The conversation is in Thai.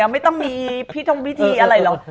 ไม่ต้องมีพิทงพิธีอะไรหรอก